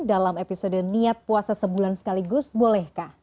dalam episode niat puasa sebulan sekaligus bolehkah